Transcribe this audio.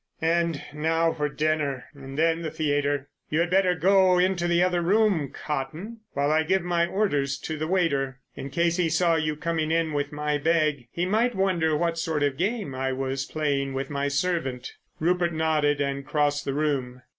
"And now for dinner and then the theatre. You had better go into the other room, Cotton, while I give my orders to the waiter, in case he saw you coming in with my bag—he might wonder what sort of game I was playing with my servant." Rupert nodded and crossed the room.